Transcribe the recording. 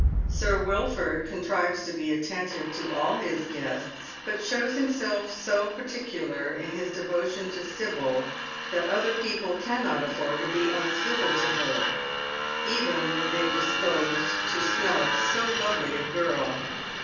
Sir Wilford contrives to be attentive to all his guests, but shows himself so particular in his devotion to Sibyl that other people cannot afford to be uncivil to her, even were they disposed to snub so lovely a girl.